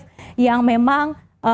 antara warga di sana dan juga tentara kiev